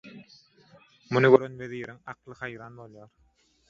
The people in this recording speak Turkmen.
Muny gören weziriň akly haýran bolýar.